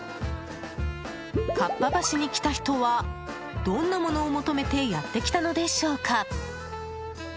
かっぱ橋に来た人はどんなものを求めてやってきたのでしょうか。